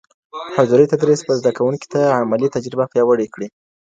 حضوري تدريس به زده کوونکو ته عملي تجربه پياوړې کړي.